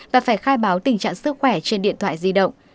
và phải khai báo tình trạng sức khỏe trên điện thoại di động